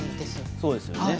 そうですよね。